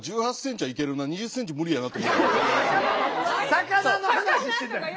魚の話してたやん。